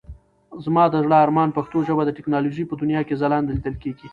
زما د زړه ارمان پښتو ژبه د ټکنالوژۍ په دنيا کې ځلانده ليدل دي.